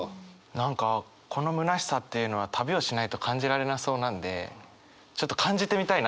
何かこの「虚しさ」っていうのは旅をしないと感じられなそうなんでちょっと感じてみたいなって。